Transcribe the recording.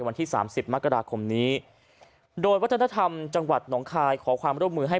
วันที่สามสิบมกราคมนี้โดยวัฒนธรรมจังหวัดหนองคายขอความร่วมมือให้